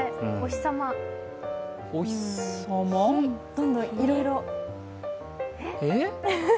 どんどん、いろいろ。